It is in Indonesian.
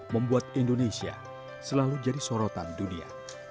membuat indonesia selalu jadi sorotan dunia